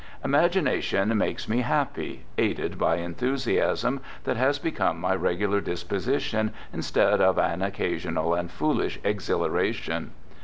Imagination { makes me happy, aided by enthusiasm that has be come my regular disposition instead of an occasional £ and foolish exhilaration.